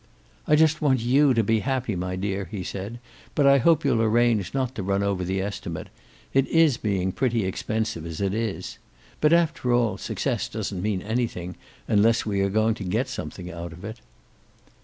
"I just want you to be happy, my dear," he said. "But I hope you'll arrange not to run over the estimate. It is being pretty expensive as it is. But after all, success doesn't mean anything, unless we are going to get something out of it."